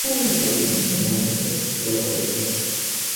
পরীক্ষণেই মনে হল, সব সত্যি কথা বলতে নেই।